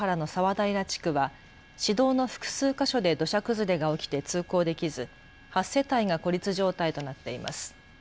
平地区は市道の複数箇所で土砂崩れが起きて通行できず８世帯が孤立状態となっています。